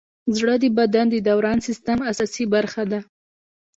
زړه د بدن د دوران سیسټم اساسي برخه ده.